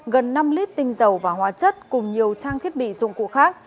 gần năm lít tinh dầu và hóa chất cùng nhiều trang thiết bị dụng cụ khác